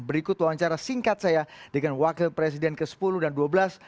berikut wawancara singkat saya dengan wakil presiden ke sepuluh dan ke dua belas